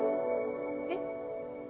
えっ？